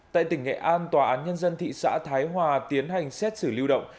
tại tỉnh nghệ an tòa án nhân dân thị xã thái hòa tiến hành xét xử lưu động